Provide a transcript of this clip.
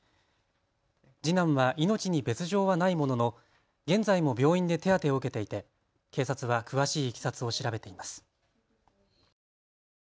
次男は命に別状はないものの現在も病院で手当てを受けていて警察は詳しいいきさつを調べています。